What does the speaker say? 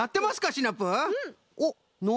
シナプー。